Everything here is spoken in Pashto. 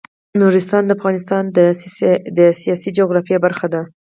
نورستان د افغانستان د سیاسي جغرافیه برخه ده.